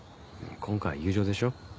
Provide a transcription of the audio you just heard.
今回は友情でしょ。